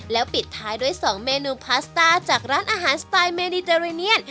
แล้วปิดท้ายด้วย๒เมนูพาสต้าจากร้านอาหารสไตล์เมดิเตอเรเนียน